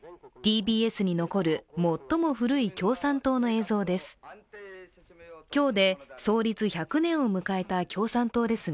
ＴＢＳに残る最も古い共産党の映像です。